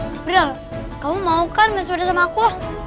april kamu mau kan main sepeda sama aku